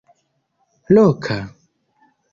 loka